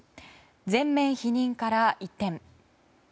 全面否認から一転。